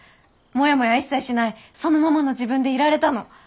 モヤモヤ一切しないそのままの自分でいられたの。